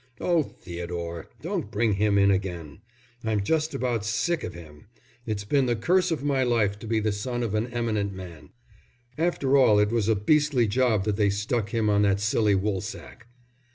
"Oh, Theodore, don't bring him in again. I'm just about sick of him. It's been the curse of my life to be the son of an eminent man. After all it was a beastly job that they stuck him on that silly Woolsack."